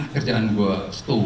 kerjaan gue setuh